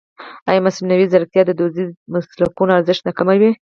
ایا مصنوعي ځیرکتیا د دودیزو مسلکونو ارزښت نه کموي؟